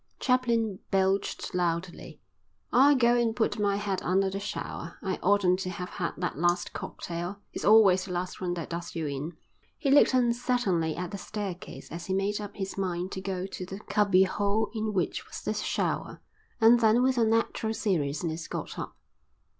Chaplin belched loudly. "I'll go and put my head under the shower. I oughtn't to have had that last cocktail. It's always the last one that does you in." He looked uncertainly at the staircase as he made up his mind to go to the cubby hole in which was the shower, and then with unnatural seriousness got up.